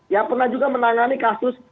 ya pernah juga menangani kasus